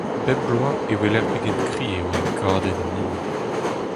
Bep bloaz e weler pegen kriz eo enkadenn an hin.